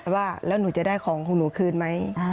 ว่าแล้วหนูจะได้ของของหนูคืนไหม